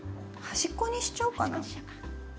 端っこにしちゃおうか。